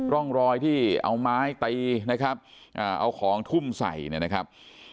ร่องรอยที่เอาไม้ตีนะครับเอาของทุ่มใส่เนี่ยนะครับ